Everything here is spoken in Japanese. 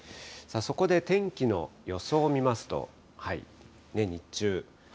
そこで天気の予想を見ますと、日中。